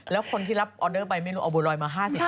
แล้วคนที่รับออเดอร์ไปไม่รู้เอาบัวรอยมา๕๐